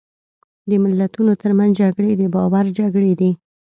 د ملتونو ترمنځ جګړې د باور جګړې دي.